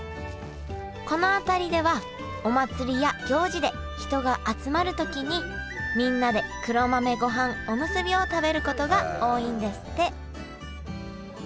この辺りではお祭りや行事で人が集まる時にみんなで黒豆ごはんおむすびを食べることが多いんですって。